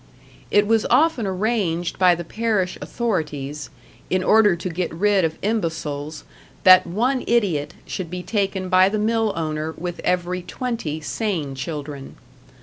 It was often arranged by the parish authorities, in order to get rid of imbeciles, that one idiot should be taken by the mill owener with every twenty sane children.